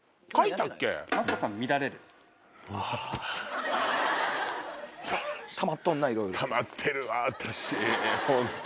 たまってるわ私ホント。